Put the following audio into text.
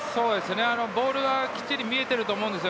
ボールはきっちり見えていると思うんです。